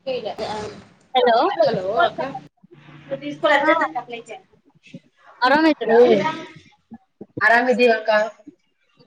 [unintelligible] Hello. ಹಾ ಆರಾಮ ಇದ್ದೀರಾ [unintelligible] ಹರಮಿದಿವಿ ಅಕ್ಕ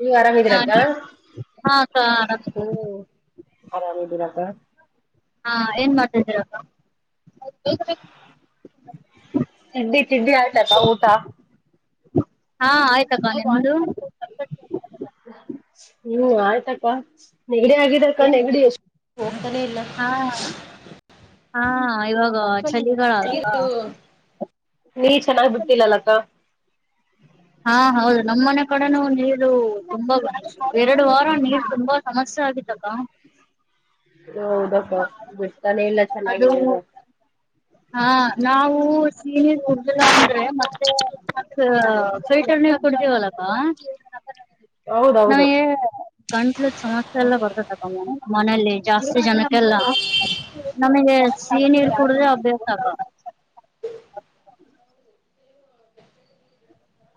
ನೀವ ಹಾ ಆರಾಮಿದೀರಕ್ಕ ಅಕ್ಕ ಹ್ಮ. ಆರಾಮಿದ್ದೀವಿ ಅರಮಿದಿರಕ್ಕ. ಹಾ ಏನ್ ಮಾಡ್ತಿದಿರಕ್ಕ. [unintelligible] ಆಯ್ತತ ಊಟ. ಹಾ ಆಯ್ತ ಅಕ್ಕ ನಿಮ್ದು. ಹ್ಮ ಆಯ್ತಕ್ಕ ನೆಗಡಿ ಆಗಿದಕ್ಕ ನೆಗಡಿ ಎಷ್ಟುಹೋಗ್ತಾನೆ ಇಲ್ಲ. ಹಾ. ಹಾ ಇವಾಗ ಚಳಿಗಾಲ ಅಲ್ವಾ. ನೀ ಚೆನ್ನಾಗ್ ಬಿಟ್ಟಿಲ್ಲಲ್ಲಕ್ಕ ಹಾ ಹೌದು ನಮ್ಮ್ ಮನೆ ಕಡೆನುೂ ನೀರು ತುಂಬಾ ಎರಡು ವಾರ ನೀರು ತುಂಬಾ.. ಸಮಸ್ಯೆ ಆಗಿದ್ದಕ್ಕ. ಹೌದಪ್ಪ ಬಿಡ್ತಾನೆ ಇಲ್ಲ ಅದು ಚೆನ್ನಾಗಿನಿರು. ಹಾ ನಾವು ಸಿಹಿ ನೀರು ಕುಡ್ದಿಲ್ಲ ಅಂದ್ರೆ ಮತ್ತ. ಫಿಲ್ಟರ್ರ್ ನೀರು ಕುಡ್ತೀವಲಕ್ಕ. ಹೌದೌದು ನಮಗೆ ಗಂಟ್ಲುದ ಸಮಸ್ಯೆ ಎಲ್ಲ ಬರ್ತಾದಕಾ ಮನೇೆಯಲ್ಲಿ ಜಾಸ್ತಿ ಜನಕ್ಕೆ.. ಎಲ್ಲ ನಮಗೆ ಸಿಹಿ ನೀರು ಕುಡಿದ್ದೆ ಅಭ್ಯಾಸ ಅಕ್ಕಾ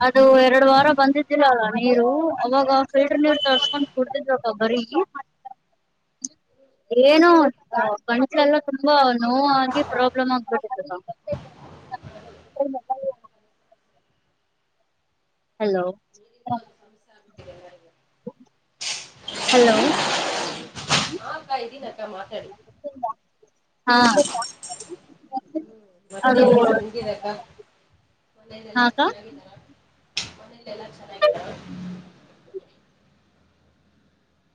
ಅದು ಎರಡು ವಾರ ಬಂದಿದ್ದರಲ್ಲ ನೀರು ಅವಾಗ ಫಿಲ್ಟರ್ ನೀರ್ ತರ್ಸ್ಕೊಂಡ್ ಕುಡ್ತಿದ್ವ ಬರಿ. [inaudible] ಏನು ಗಂಟಲೆಲ್ಲ ತುಂಬಾ ನೋವು ಆಗಿ ಪ್ರಾಬ್ಲಮ್ ಆಗ್ಬಿಟ್ಟಿತ್ತು ಅಕ್ಕಾ [inaudible] [inaudible] ಹಲೋ. [inaudible] ಹಲೋ. ಇದೀನಿ ಅಕ್ಕಾ ಮಾತಾಡಿ. ಹಾ. ಹ್ಮ್ ಮತ್ತೆ ಅದು ಎನ್ ಹೆಂಗಿದಕ್ಕ ಮನೆಯಲೆಲ್ಲ ಹಾಕ್ಕ ಚೆನ್ನಾಗಿದ್ದಾರ. ಮನೇಲಿ ಎಲ್ಲಾ ಚೆನ್ನಾಗಿದರ.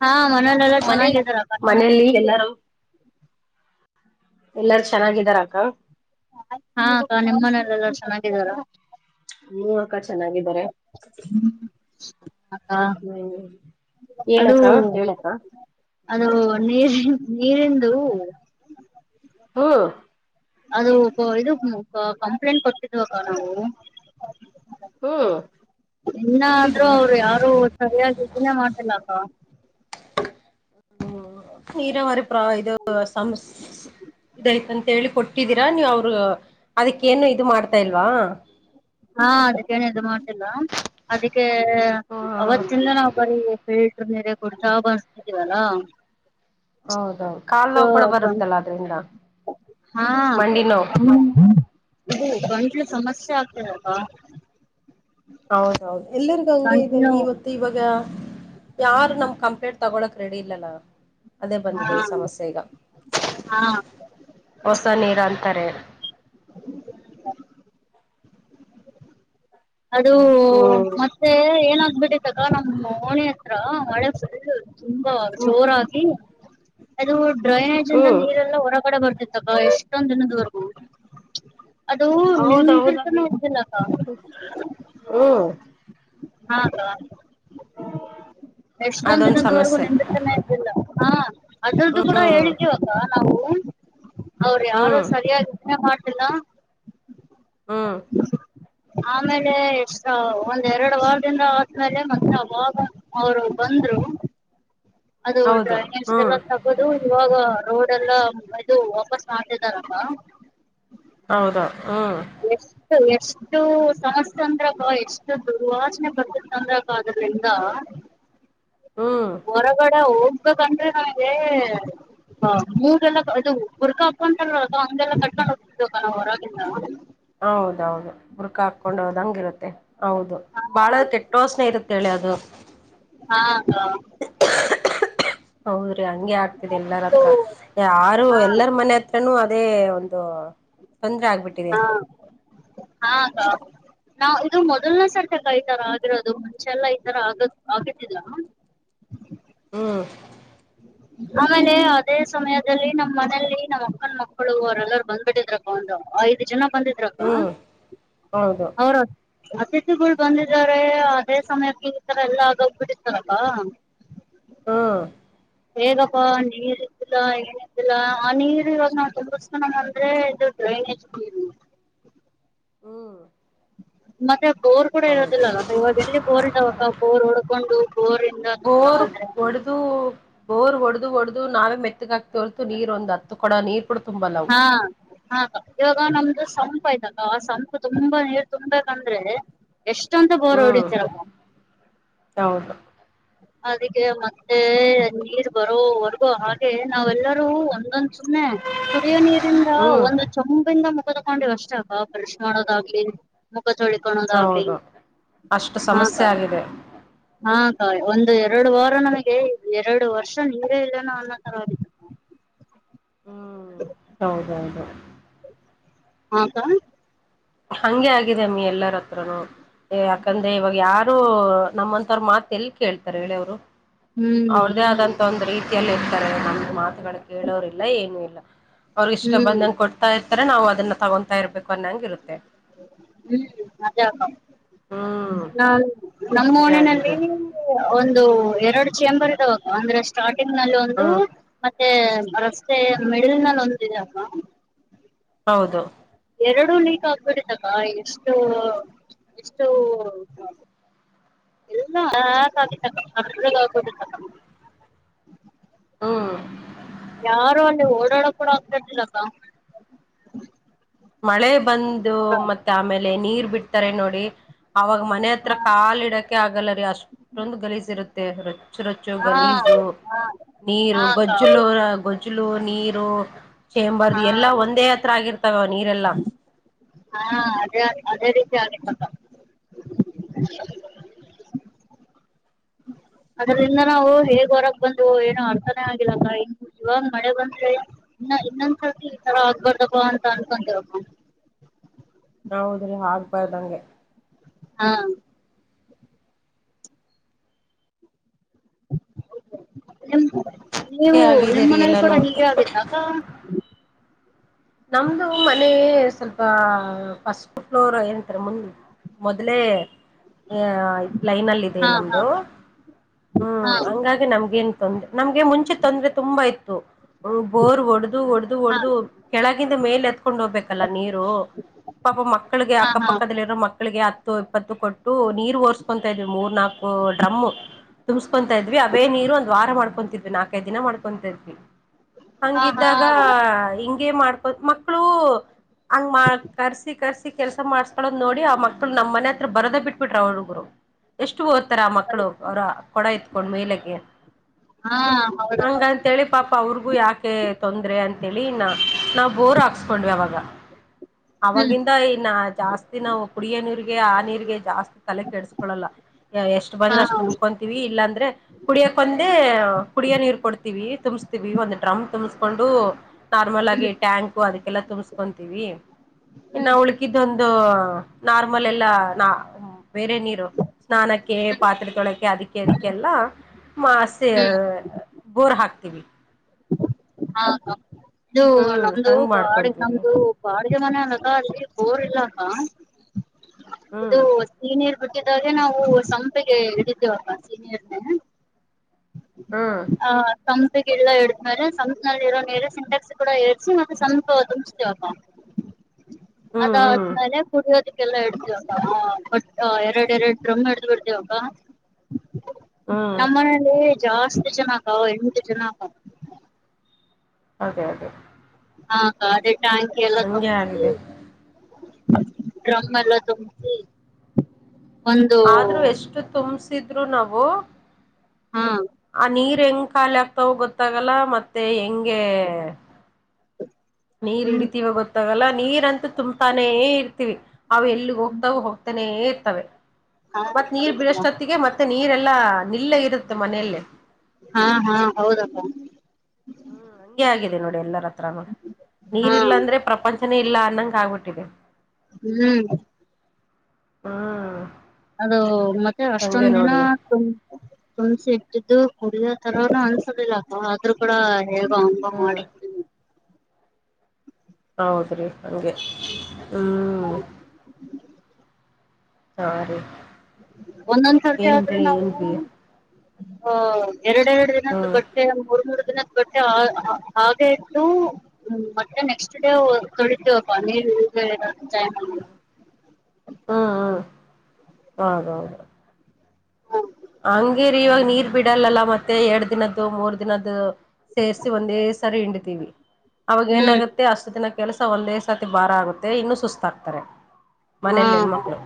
ಹಾ ಮನೇಲೆೆಲ್ಲಾ ಮನೆ ಚೆನ್ನಾಗಿದ್ದಾರೆ ಅಕ್ಕಾ ಮನೇಲಿ ಎಲ್ಲಾರು. ಎಲ್ಲಾರು ಚೆನ್ನಾಗಿದಾರ ಅಕ್ಕ. ಹಾ ಅಕ್ಕಾ ನಿಮ್ಮ ಮನೇಲೆಲ್ಲ ಚೆನ್ನಾಗಿದಾರ. ಹು ಅಕ್ಕ ಚೆನ್ನಾಗಿದ್ದಾರೆ. ಅಕ್ಕ ಹ್ಮ ಅದು ಏನಕ್ಕ ಹೇಳಕ್ಕ. ಅದು ನೀರಿ ನೀರಿಂದು. [unintelligible] ಅದು ಇದು ಕಂಪ್ಲೇಂಟ್ ಕೊಟ್ಟಿದ್ವಾಕ್ಕ ನಾವು. ಹ್ಮ್ ಇನ್ನಾದ್ರರು ಕೊಟ್ಟಿದ್ರಾ ಅವ್ರು ಯಾರು. ಸರಿಯಾಗಿ ಇದನ್ನ ಮಾಡತಿಲ್ಲಾಕ್ಕ. ನೀರವರಿ ಇದು [unintelligible] ಇದೈತಂತ ಹೇಳಿ ಕೊಟ್ಟಿದ್ದೀರಾ ನೀವ್ ಅವ್ರ. ಅದಕ್ಕೇನು ಇದು ಮಾಡ್ತಾ ಇಲ್ವಾ. ಹಾ ಅದಕ್ಕೇನ ಇದು ಮಾಡ್ತಿಲ್ಲ ಅದಕ್ಕೆ ಹ್ಮ ಅವತ್ತಿಂದ ನಾವು ಬರೀ. ಫಿಲ್ಟ್ರ ನೀರೆ ಕುಡ್ತಾ ಬರ್ತಿದೀವಲ್ಲಾ. ಹೌದೌದು ಕಾಲು ನೋವು ಕೂಡ ಬರುತ್ತಲ್ಲ ಅದ್ರಿಂದ. ಹಾ ಮಂಡಿ ನೋವು ಇದು ಗಂಟ್ಲ ಸಮಸ್ಯೆ ಆಗ್ತದ ಅಲ್ವಾ. ಹೌದೌದು ಎಲ್ಲರಿಗೂ ಹಂಗೆ ಗಂಟ್ಲು ಇದ್ದವಿವತ್ತ ಇವಾಗ. ಯಾರ್ ನಮ್ ಕಂಪ್ಲೇಂಟ್ ತಗೊಳಕ್ ರೆಡಿ ಇಲ್ಲಲಾ. ಅದೇ ಬಂದಿದೆ ಈ ಹಾಂ ಸಮಸ್ಯೆ ಈಗ ಹಾಂ ಹೊಸ ನೀರು ಅಂತಾರೆ. ಹ [unintelligible] ಅದು ಹ್ಮ್ ಮತ್ತೆ ಏನಾಗಬಿಟ್ಟಿತಕ್ಕ ನಮ್ ಒಣಿ ಹತ್ರ ಮಳೆ ಫುಲ್ಲು. ತುಂಬಾ ಹ್ಮ್ ಜೋರಾಗಿ ಅದು ಡ್ರೈನೇಜಿಂದ ಹ್ಮ್ ನೀರೆಲ್ಲ ಹೊರಗಡೆ ಬರ್ತಿತ್. ತಕ್ಕ ಎಷ್ಟೊಂದ್ ದಿನದವರೆಗೂ ಅದು ನಿಂದರ್ತನೂ ಇದ್ದಿಲ್ಲಕ್ಕ. ಹ್ಮ ಹಾ ಅಕ್ಕ ಎಷ್ಟೊಂದ ಅದೊಂದು ದಿನದವರೆಗೂ ಸಮಸ್ಯೆ ನಿಂದರ್ತನೆ ಇಲ್ಲ ಹಾ ಅದ್ರದ್ದು ಕೂಡ ಹ್ಮ್ ಹೇಳಿದೀವಕ್ಕಾ ನಾವು. ಅವ್ರ ಯಾರು ಹ್ಮ್ ಸರಿಯಾಗಿ ಇದನ್ನೆ ಮಾಡ್ತಿಲ್ಲ. ಹ್ಮ್ ಆಮೇಲೆ ಎಷ್ಟ್ ಒ ಎರಡ ವಾರದಿಂದ ಆದ್ಮೇಲೆ ಮತ್ತೆ ಆವಾಗ ಅವ್ರು ಬಂದ್ರು. ಅದು ಹೌದು ಡ್ರೈನೆಜ್ದ ಹ್ಮ್ ಎಲ್ಲ ತಕ್ ಗದು ಇವಾಗ ರೋಡ್ ಎಲ್ಲಾ ಇದು ವಾಪಸ್ ಮಾಡ್ತಿದಾರಕ್ಕಾ. ಹೌದು ಹ್ಮ್. ಎಸ್. ಎಷ್ಟು ಸಮಸ್ಯೆ ಅಂದ್ರಕ್ಕ ಎಷ್ಟು ದುರ್ವಾಸನೆ ಬರ್ತದಂದ್ರಕ್ಕ ಅದ್ರದಿಂದ. [inaudible] ಹ್ಮ್ ಹೊರಗಡೆ ಹೋಗ್ಬೇಕಂದ್ರೆ ನನಗೆ. ಹ ಮೂಗೆಲ್ಲ ಅದು ಬುರ್ಕ ಹಕ್ಕೊಂತರಲಕ್ಕಾ ಹಾಂಗೆಲ್ಲ ಕಟ್ಕೊಂಡು ಹೋಗ್ತಿದ್ದ್ವಕ್ಕ ನಾವ್ ಹೊರಗೆ ಹೌದೌದು ಬುರ್ಕ ಹಾಕೊಂಡ ಹೋದಂಗ ಇರುತ್ತೆ ಹೌದು ಬಾಳ ಹಾ ಕೆಟ್ಟ ವಾಸನೆ ಇರುತ್. ತಿಳ್ಯದು. ಹಾ ಕ್ಕಾ ಹೌದ್ರಿ ಹಂಗೆ ಆಗ್ತಿದೆ ಎಲ್ಲರ ಇದು ಹತ್ರ ಯಾರು ಹಾ ಎಲ್ಲರ ಮನೆ ಹತ್ ನು ಅದೇ ಒಂದು ತೊಂದ್ರೆ ಆಗ್ಬಿಟ್ಟಿದೆ. ಹಾ ಹಾ ಕ್ಕಾ ನಾ ಇದು ಮೊದಲ್ನೆ ಸರ್ತಿಕ್ಕ ಈ ತರ ಆಗಿರೋದು ಮುಂಚೆಲ್ಲ ಈ ತರ ಆಗ ಆಗಿತಿಲ್ಲ. ಹ್ಮ್ ಆಮೇಲೆ ಅದೇ ಸಮಯದಲ್ಲಿ ನಮ್ಮ್ ಮನೇಲಿ ನಮ್ಮಕ್ಕನ್ ಮಕ್ಕಳು ಅವ್ರೆಲ್ಲರ ಬಂದ್ಬಿಟ್ಟಿದ್ರಕ್. ಒಂದು ಐದ ಜನ ಬಂದಿದ್ರಕ್ಕ ಹ್ಮ್ ಹೌದು [unintelligible] ಅತಿಥಿಗಳು ಬಂದಿದ್ದಾರೆ ಅದೇ ಸಮಯಕ್ಕೆ ಈ ತರ ಎಲ್ಲ ಆಗೋಗ್ ಬಿಡಿತ್ತಲಕ್ಕ. ಹ ಹೇಗಪ್ಪಾ ನೀರ್ ಇದ್ದಿಲ್ಲಾ ಏನಿದ್ದಿಲ್ಲಾ ಆ ನೀರ್ ಇವಾಗ ನಾವು ತುಂಬಸ್ಕನ ಅಂದ್ರೆ ದೋಡ್ [unintelligible] ಡ್ರೈನೇಜ್ ನೀರು. ಹ್ಮ್ ಮತ್ತೆ ಬೋರ್ ಕೂಡ ಹೌದು ಇರೋದಿಲ್ಲಲ್ಲಕ್ಕಾ ಇವಾಗ ಎಲ್ಲಿ ಬೋರ್ ಇದ್ದಾವಕ್ಕಾ ಬೋರ್ ಹೊಡ್ಕೊಂಡು ಬೋರಿ. ಬೋರ್ ಒಡ್ದು. ಬೋರ್ ಹೊಡ್ದು ಹೊಡ್ದೂ ನಾವೇ ಮೆತ್ತಗ ಆಗ್ತೀವ್ ಹೊರ್ತು ನೀರ್ ಒಂದು ಹತ್ತು ಕೊಡ ನೀರ್ ಕೂಡಾ ತುಂಬಲ್ಲವು. ಹಾ ಹಾ ಇವಾಗ ನಮ್ದು ಸಂಪು ಆಯ್ತಲ್ ಆ ಸಂಪು ತುಂಬಾ ನೀರ್ ತುಂಬಂದ್ರೆ ಎಷ್ಟೊಂತ ಬೋರ್ ಹ್ಮ್ ಹೊಡಿತರ ಹೌದು ಅದಕ್ಕೆ ಮತ್ತೆ ನೀರ್ ಬರೋ ವರ್ಗು ಹಾಗೆ ನಾವೆಲ್ಲರೂ ಒಂದೊಂದು ಕುಡಿಯುವ ನೀರಿಂದ ಹ್ಮ್ ಒಂದು ಚೊಂಬಿಂದ ಮುಗ ತಕೊಂಡಿವ್ ಅಷ್ಟ ಅ ಬಫ್ರೆಶ್ ಮಾಡೋದಾಗ್ಲಿ ಮುಖ ತೊಳಿಕೊಳೋದಾಗ್ಲಿ ಹೌದು ಅಷ್ಟು ಹ ಅಕ್ಕ ಸಮಸ್ಯೆ ಆಗಿದೆ ಹ ಹ ಹ್ ಒಂದು ಎರಡು ವಾರ ನಮಗೆ ಎರಡು ವರ್ಷ ನೀರೆ ಇಲ್ಲನೋ ಅನ್ನೋ ತರದ ಹ್ಮ್ ಹೌದೌದು ಹಾಕ ಹಗೆ ಆಗಿದೆಮ್ಮಿ ಎಲ್ಲರ ಹತ್ರನುೂ ಯಾಕಂದ್ರೆ ಇವಾಗ ಯಾರು ನಮ್ಮಂತವ್ರ ಮಾತ್ ಎಲ್ಲಿ ಕೇಳ್ತಾರೆ ಹೇಳಿವ್ರು ಹ್ಮ್ ಅವ್ರ್ದೇ ಹ್ಮ್ ಆದಂತ ಒಂದ್ ರೀತಿಯಲ್ಲಿ ಇರ್ತಾರೆ ನಮಗ್ ಮಾತುಗಳು ಕೇಳೋರ್ಲ್ಲ ಏನು ಇಲ್ಲ ಅವ್ರಗ ಇಷ್ಟ ಹ್ಮ್ ಬಂದಂಗೆ ಕೊಡ್ತಾ ಇರ್ತಾರೆ ನಾವು ಅದನ್ನ ತಗೊತಾ ಇರ್ಬೇಕು ಅನ್ನಂಗ ಇರುತ್ತೆ ಹ್ಮ್ ನಿಜಾ ಅಕ್ಕ ಹ್ಮ್ ನಮ್ಮ ಇದೇ ಇನ್ನಿನಲ್ಲಿ ಆಗಿದೆ [unintelligible] ಒಂದು ಎರಡು ಚೇಂಬರ್ ಇದಾವಾಗ ಅಂದ್ರೆ ಸ್ಟಾರ್ಟಿಂಗ್ ನಲ್ಲಿ ಒಂದು ಹ್ಮ್ ಮತ್ತೆ ರಸ್ತೆ ಮಿಡಿಲ್ ನಲ್ಲಿ ಒಂದಿದೆ ಅಕ್ಕ ಹೌದು ಎರಡು ಲೀಕ್ ಆಗ್ಬಿಟ್ಟತಕ್ಕ ಎಷ್ಟು ಎಷ್ಟು ಎಲ್ಲ [unintelligible] ತಕ ಹ್ಮ್ ಯಾರು ಅಲ್ಲಿ ಓಡಾಡಕ್ ಕೂಡ ಆಗ್ತಾ ಇರ್ಲಿಲ ಅಕ್ಕ ಮಳೆ ಬಂದು ಮತ್ತೆ ಆಮೇಲೆ ನೀರ್ ಬಿಡ್ತಾರೆ ನೋಡಿ ಅವಾಗ ಮನೆ ಹತ್ರ ಕಾ ಇಡಕೆ ಆಗಲ್ಲ ರೀ ಅಷ್ಟೊಂದು ಗಲೀಜ ಇರುತ್ತೆ ರೊಚ್ಚು ರೊಚ್ಚು ಹಾ ಗಲೀಜು ಹಾ ನೀರು ಹಾ ಅಕ್ಕ ಗೊಜ್ಜುಲುರ ಗೊಜ್ಜು ಜ್ಲು ನೀರು ಚೇಂಬರ್ ಹಾ ಎಲ್ಲಾ ಒಂದೇ ಹತ್ರ ಆಗಿರ್ತಾವ ನೀರೆಲ್ಲ ಹಾ ಅದೇ ಅದೇ ರೀತಿ ಆಗ್ಗಿತ್ತಕ್ಕ ಅದ್ರಿಂದ ನಾವು ಹೇಗ್ ಹೊರಗ್ ಬಂದ್ ಏನೋ ಅರ್ಥಾನೇ ಆಗಿಲ್ಲ ಇ ಇವಾಗ ಮಳೆ ಬಂದೆ ಇನ್ನ ಇನ್ನೊಂದ್ಸರ್ತಿ ಈ ತರ ಆಗ್ಬಾರ್ದಾಗ ಅಂತ ಅನ್ಕೊಂತವ ಹೌದ್ರಿ ಆಗ್ಬಾರ್ದಂಗೆ ಹಾ ನಿಮ ನೀವು ಹಾಗೆ ಆಗಿದೆ ನಿಮ್ಮ ರೀ ಮನೇಲಿ ಕೂಡ ಎಲ್ಲಾನು ಹೀಗೆ ಆಗತ್ತಾ ಅಕ್ಕ ನಮ್ದು ಮನೆ ಸ್ವಲ್ಪ ಫಸ್ಟ್ ಫ್ಲೋರ್ ಏಂತಾರೆ ಮುಂದ ಮೊದ್ಲೇ ಆ ಲೈನ್ಲ್ ಅಲ್ಲಿ ಇತ್ತು ಹಾ ಹಾ ನಮ್ದು ಹ್ಮ್ ಹಾ ಹಂಗಾಗಿ ನಮ್ಗ ಗೆನ್ ತೊಂದ್ರ ನಮ್ಗೆ ಮುಂಚೆ ತೊಂದ್ರೆ ತುಂಬಾ ಇತ್ತು ಬೋರ್ ಒಡದು ಒಡದು ಹಾ ಒಡೆದು ಕೆಳಗಿಂದ ಮೇಲೆ ಎತ್ಕೊಂಡು ಹೋಗ್ಬೇಕಲ್ಲ ನೀರು ಪಾಪ ಮಕ್ಕಳಿಗೆ ಹಾ ಹಾ ಅಕ್ಕಪಕ್ಕದಲ್ಲಿರೋ ಮಕ್ಕಳಿಗೆ ಇಪ್ಪತ್ತು ಕೊಟ್ಟು ನೀರ್ ಓರ್ಸ್ಕೊತಾ ಇದ್ವಿ ಮೂರ್ ನಾಲ್ಕು ಡ್ರಮ್ ತುಂಬ್ಕೊತಾ ಇದ್ವಿ ಅವೇ ನೀರು ಒಂದ ವಾರ ಮಾಡ್ಕೊತಿದ್ವಿ ನಾಕ್ ಐದ ದಿನ ಮಾಡ್ಕೊ ಇದ್ವಿ ಹಾ ಹಾ ಹಂಗಿದ್ದಾಗ ಹಿಂಗ ಹಿಂಗೆ ಮಾಡ್ಕೋ ಮಕ್ಕಳು ಹಂಗ ಕರ್ಸಿ ಕರ್ಸಿ ಕೆಲಸ ಮಾಡ್ ಮಕ್ಕಳ ನೋಡಿ ಆ ಮಕ್ಕಳು ನಮ್ಮ ಮನೆ ಹತ್ರ ಬರದೇ ಬಿಟ್ಬಿಟ್ರೆ ಹುಗುರು ಎಷ್ಟು ತರ ಮಕ್ಕಳು ಅವ್ರ ಕೊಡ ಇತ್ಕೊಂಡ್ ಮೇಲೆಗೆ ಹಾ ಹೌದಕ್ಕ ಹಂಗ ತೇಳಿ ಪಾಪ ಅವ್ರಿಗೂ ಯಾಕೆ ತೊಂದರೆ ಅಂತೇಳಿ ಇನ್ನ ನಾವ ಬೋರ್ ಹಾಕ್ಸ್ಕೊಂಡ್ವಿ ಆವಾಗ ಹ್ಮ್ ಅವಾಗಿಂದ ಇನ್ನ ಜಾಸ್ತಿ ನಾವು ಕುಡಿಯ ನೀರಿಗೆ ಆ ನೀರಿಗೆ ಜಾಸ್ತಿ ತಲೆ ಕೆಡ್ಸ್ಕೊಳಲ್ಲ. ಎಷ್ಟು ಹಾ ಬಂದ್ರೆ ಅಷ್ಟ್ ಹ್ಮ್ ತುಂಬ್ಕೊಂತೀವಿ ಇಲ್ಲಾಂದ್ರೆ ಕುಡಿಯಕ ಒಂದೆ ಕುಡಿಯ ನೀರು ಕೊಡ್ತೀವಿ ತುಂಬಸ್ತೀವಿ ಒಂದ್ ಡ್ರಮ್ ತುಂಬಸ್ಕೊಂಡು. ನಾರ್ಮಲ್ ಆಗಿ ಟ್ಯಾಂಕ್ ಅದಕ್ಕೆಲ್ಲ ತುಂಬ್ಸ್ಕೊಂತೀವಿ ಇನ್ನ ಹ್ಮ್ ಉಳ ಇದೊಂದು ನಾರ್ಮಲ್ ಎಲ್ಲಾ ನಾ ಬೇರೆ ನೀರು ಸ್ನಾನಕ್ಕೆ ಪಾತ್ರೆತೊಳಕ ಅದಕ್ಕೆ ಅದಕ್ಕೆಲ್ಲ ಮಾಸೆ ಹ್ಮ್ ಬೊರ್ ಹಾಕ್ತೀವಿ. ಹಾ ಇದು ಹ್ಮ್ ನಮ್ದು ಹಂಗ್ ಗೋಡಿ ಮಾಡ್ಕೊಂತೀವ್ರಿ ನಮ್ದು ಬಾಡಗೆ ಮನೆ ಅದುಕೆ ಅಲ್ಲಿ ಬೋರ್ ಇಲ್ಲ ಅಕ್ಕ. ಇದು ಹ್ಮ್ ಸೀನಿಯರ್ ಬಟ್ಟದ ನಾವು ಸಂಪೆಗೆ ಇಡಿದ್ದೇವಪ್ಪ ಸೀ ರ ನೀರು ಹ್ಮ್ ಹ ಸಂ ಗಲ್ಲ ಇಡ್ತಾರಾ ಸಂಪತ್ನಲ್ಲಿ ಇರೋ ನೀರ ಸಿಂಟೆಕ್ಸ್ ಕೂಡ ಏರ್ಸಿ ಮತ್ತೆ ಸಂಪ ತುಂಬ್ತವಪ್ಪ [inaudible] ಹ್ಮ್ ಹ್ಮ್ ಅದ್ಮೇಲ ಕುಡಿಯದ ಲ್ಲಾ ಇಡ್ತಿವ ಎರಡ್ ಎರಡ್ ಡ್ರಮ ಹಿಡ್ದ ಬಿಡ್ತವಿ ಅಕಾ ಹ್ಮ್ ನಮ್ಮ ಮನೇಲಿ ಜಾಸ್ತಿ ಜನ ಆಗಾವ ಎಂಟು ಜನ ಆಗಾವ. ಅದೇ ಅದೇ ಹ ಅದೇ ಟ್ಯಾಂಕ ಎಲ್ಲ ಹಂಗೆ ತುಂಬಸಿ ಆಗಿದೆ ಡ್ರಮ್ ಹ್ಮ್ ಎಲ್ಲ ತುಂಬಸಿ ಆದ್ರೂ ಎಷ್ಟು ತುಂಬಸಿದ್ರು ನಾವು ಹಾ ಆ ನೀರ ಹೆಂಗ ಖಾಲ ಆಗ್ತಾವ ಗೊತ್ತಾಗಲ್ಲ ಮತ್ತೆ ಹೆಂಗೆ ನೀರ ಹ್ಮ್ ಹಿಡತಿವ ಗೊತ್ತಾಗಲ್ಲ ನೀರತು ತುಂಬತಾನೇ ಇರ್ತೀವಿ. ಅವ ಎಲ್ಲಿಗ ಹೋಗ್ತಾವ ಹೋಗ್ತಾನೇ ಇರ್ತವೆ. ಹಾ ಮತ್ತ ನೀರ್ ಬಿಡಷ್ಟೊತ್ತಿಗೆ ಮತ್ತೆ ನೀರೆಲ್ಲಾ ನಿಲ್ಲ ಇರತ್ತೆ ಮನೇಲ್ಲ ಹಾ ಹಾ ಹೌದಪ್ಪ. ಹ್ಮ ಹಂಗೆ ಆಗಿದೆ ನೋಡಿ ಎಲ್ಲರ ಹತ್ರನು ಹಾ ನೀರಿಲ್ಲ ಅಂದ್ರೆ ಪ್ರಪಂಚನೇ ಇಲ್ಲ ಅನ್ನಂಗ ಆಗ್ಬಿಟ್ಟಿದೆ. ಹ್ಮ ಹಾ ಅದು ಮತ್ತೆ ಅಷ್ಟೊಂದ ದಿನ ತು ತುಂಬ್ಸ ಇಟ್ಟಿದ್ದು ಕುಡಿಯೋ ತರನ ಅನ್ಸೋದಿಲ್ಲ. ಆದ್ರೂ ಕೂಡ ಹೇಗ ಅಂಗ ಹ್ಮ್ ಮಾಡಿ ಆದ್ರೆ ಹಂಗೆ ಹ್ಮ ಸರಿ. ಒಂದೊಂದ್ಸರ್ತಿ ಆದ್ರೆ ನಾವು ಬಿ ಅ ಎರಡೆರಡ ದಿನ ತುಗೋ ಹ್ಮ್ ಮತ್ತೆ ಮೂರ್ ಮೂರ ದಿನದ ಬಟ್ಟೆ ಹಾ ಹಾಗೆ ಇಟ್ಟು ಹ್ಮ ಮತ್ತೆ ನೆಕ್ಸ್ಟ್ ಡೇ ತೊಳೆತೇವೆ ಅಕ್ಕ ನೀರ ಇಲ್ದೆ ಇರೋ ಟೈಮಲ್ಲಿ ಹಾ ಹಾ ಹದ ಹೌದ. ಹಂಗೇರಿ ಇವಾಗ ನೀರ್ ಬಿಡಲ್ಲಲ ಮತ್ತೆ ಎರಡ್ ದಿನದ್ದು ಮೂರ ದಿನದ್ದು ಸೇರ್ಸಿ ಒಂದೇ ಸರಿ ಹಿಂಡತಿವಿ. ಅವಾಗ ಹ್ಮ್ ಏನಾಗತ್ತೆ ಅಷ್ಟ ದಿನ ಕೆಲಸ ಒಂದೇ ಸತಿ ಬಾರ ಆಗುತ್ತೆ ಇನ್ನು ಸುಸ್ತಾಗ್ತಾರೆ. ಹಾ ಮನೇಲಿ ಹೆಣ್ಮಕ್ಳು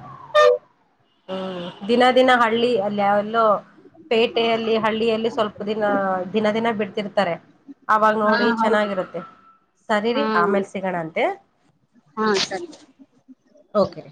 ಹ್ಮ ದಿನ ದಿನ ಹಳ್ಳಿ ಅಲ್ಲಿವಲ್ಲೋ ಪೇಟೆಯಲ್ಲಿ ಹಳ್ಳಿಯಲ್ಲಿ ಸ್ವಲ್ಪ ದಿನ ದಿನಾ ದಿನಾ ಬಿಡ್ತಿರ್ತಾರೆ. ಅವಾಗ ಹಾ ನೋಡಿ ಹೌದು ಚೆನ್ನಾಗಿರುತ್ತೆ ಸರಿ ರಿ ಹಾ ಆಮೇಲ್ ಸಿಗಣ ಅಂತೆ. ಹಾ ಸರಿ ಓಕೆ